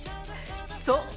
そう。